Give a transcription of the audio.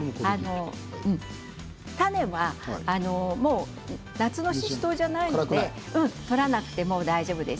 種は夏のししとうではないので取らなくても大丈夫です。